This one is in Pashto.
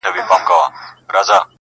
په خپل کور کي یې پردی پر زورور دی!!